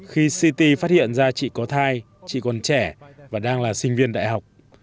khi ct phát hiện ra chị có thai chị còn trẻ và đang là sinh viên đại học